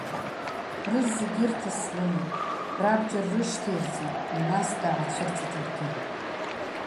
Рызегь ирҭаслымит, рабџьар рышьҭаирҵеит, нас даацәырҵит иаргьы.